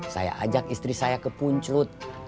saya ajak istri saya ke punclut